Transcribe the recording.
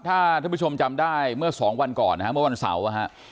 ถ้าท่านผู้ชมจำได้เมื่อ๒วันก่อนเมื่อวันเสาร์